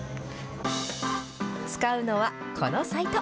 使うのはこのサイト。